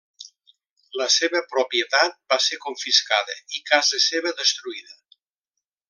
La seva propietat va ser confiscada i casa seva destruïda.